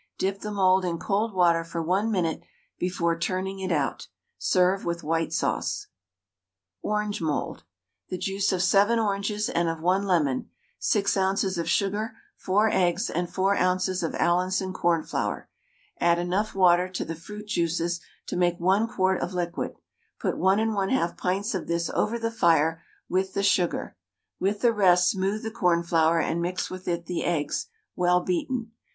Dip the mould in cold water for 1 minute before turning it out; serve with white sauce. ORANGE MOULD. The juice of 7 oranges, and of 1 lemon, 6 oz. of sugar, 4 eggs and 4 oz. of Allinson cornflour. Add enough water to the fruit juices to make 1 quart of liquid; put 1 1/2 pints of this over the fire with the sugar. With the rest smooth the cornflour and mix with it the eggs, well beaten.